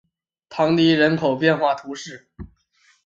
唐迪人口变化图示